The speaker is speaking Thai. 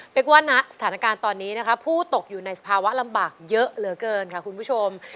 กว่าณสถานการณ์ตอนนี้นะคะผู้ตกอยู่ในสภาวะลำบากเยอะเหลือเกินค่ะคุณผู้ชม